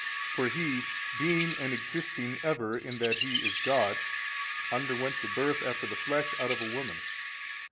For He being and existing ever in that He is God underwent the birth after the flesh from out a woman.